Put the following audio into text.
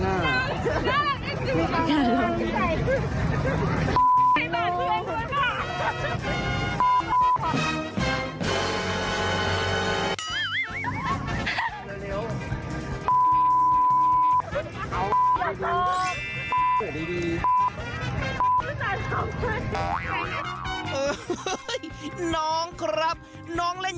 ฮ๊าเหมือนบาทเศรียร์ดวงแหละ